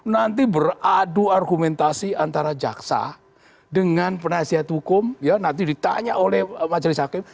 jadi beradu argumentasi antara jaksa dengan penasihat hukum ya nanti ditanya oleh majelis hakim